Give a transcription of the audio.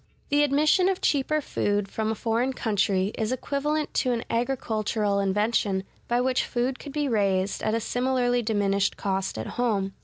The admission of cheaper food from a foreign country is equivalent to an agricultural invention by which food could be raised at a similarly diminished cost at home.